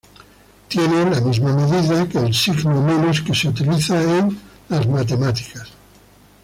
Tiene la misma medida que el signo menos que se utiliza en las matemáticas.